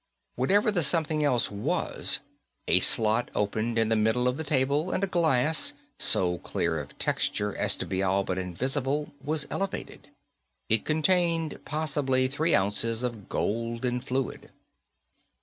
Whatever the something else was, a slot opened in the middle of the table and a glass, so clear of texture as to be all but invisible, was elevated. It contained possibly three ounces of golden fluid.